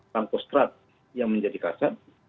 tanko strat yang menjadi kasat